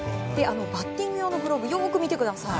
バッティング用のグローブよく見てください。